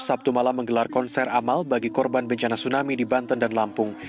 sabtu malam menggelar konser amal bagi korban bencana tsunami di banten dan lampung